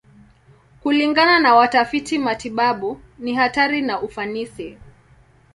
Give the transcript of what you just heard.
Kulingana na watafiti matibabu, ni hatari na ufanisi.